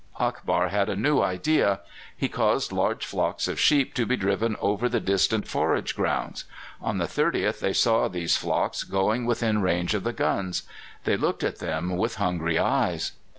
Akbar had a new idea: he caused large flocks of sheep to be driven over the distant forage grounds. On the 30th they saw these flocks going within range of the guns. They looked at them with hungry eyes.